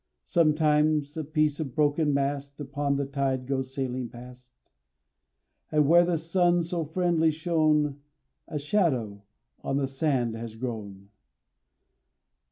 Sometimes a piece of broken mast Upon the tide goes sailing past; And, where the sun so friendly shone, A shadow on the sand has grown.